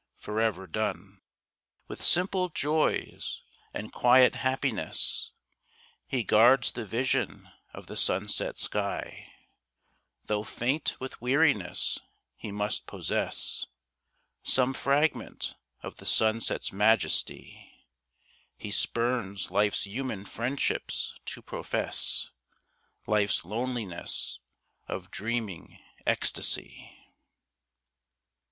Forever done With simple joys and quiet happiness He guards the vision of the sunset sky; Though faint with weariness he must possess Some fragment of the sunset's majesty; He spurns life's human friendships to profess Life's loneliness of dreaming ecstasy.